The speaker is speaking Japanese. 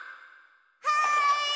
はい！